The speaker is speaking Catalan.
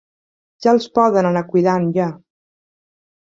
Ja els poden anar cuidant, ja!